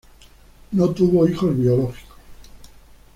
No tuvo hijos biológicos.